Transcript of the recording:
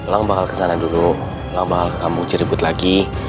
lang bakal ke sana dulu lang bakal ke kampung cirebut lagi